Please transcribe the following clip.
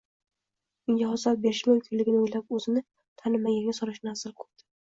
unga ozor berishi mumkinligini o'ylab o'zini tanimaganga solishni afzal ko'rdi.